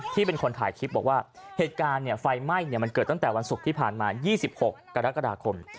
ที่เป็นคนถ่ายคลิปบอกว่าเหตุการณ์ไฟไหม้มันเกิดตั้งแต่วันศุกร์ที่ผ่านมา๒๖กรกฎาคม